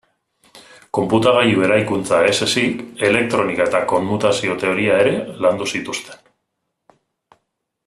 Konputagailu-eraikuntza ez ezik, elektronika eta kommutazio-teoria ere landu zituzten.